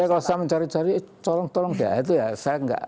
ya kalau saya mencari cari tolong tolong ya itu ya